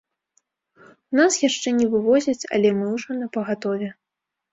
У нас яшчэ не вывозяць, але мы ўжо напагатове.